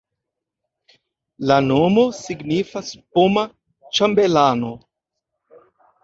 La nomo signifas poma-ĉambelano.